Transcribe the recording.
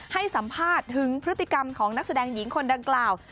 ให้สัมภาษณ์ถึงพฤติกรรมของนักแสดงหญิงคนดังกล่าว